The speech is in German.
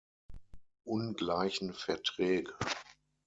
Ungleichen Verträge.